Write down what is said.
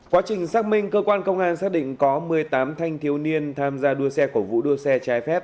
quá trình xác minh cơ quan công an xác định có một mươi tám thanh thiếu niên tham gia đua xe cổ vũ đua xe trái phép